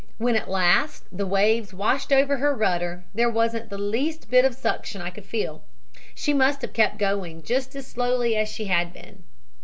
"When at last the waves washed over her rudder there wasn't the least bit of suction I could feel. She must have kept going just as slowly as she had been.